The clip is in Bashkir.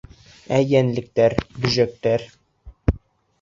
Ә йәнлектәр, бөжәктәр...